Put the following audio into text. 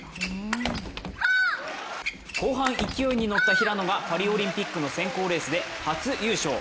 後半勢いに乗った平野がパリオリンピックの選考レースで初優勝。